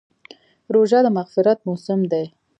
روژه د مغفرت موسم دی.